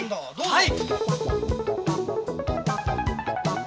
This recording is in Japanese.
はい！